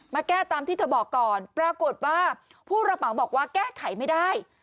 มาแก้ตามที่เธอบอกก่อนปรากฏว่าผู้รับเหมาบอกว่าแก้ไขไม่ได้